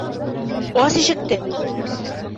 Ас ишекте!